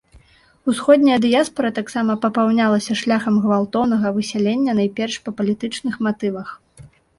Усходняя дыяспара таксама папаўнялася шляхам гвалтоўнага высялення найперш па палітычных матывах.